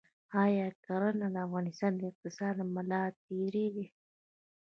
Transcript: آیا کرنه د افغانستان د اقتصاد ملا تیر دی؟